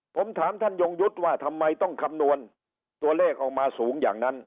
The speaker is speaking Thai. ผมถามท่านยงยุทธ์ว่าทำไมต้องคำนวณตัวเลขออกมาสูงอย่างนั้น